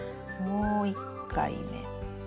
もう一回目。